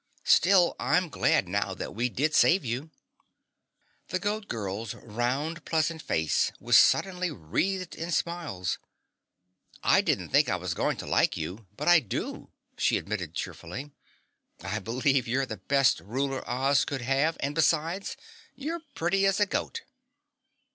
"Still, I'm glad now that we did save you." The Goat Girl's round pleasant face was suddenly wreathed in smiles. "I didn't think I was going to like you, but I do," she admitted cheerfully. "I believe you're about the best ruler Oz could have and besides, you're pretty as a goat."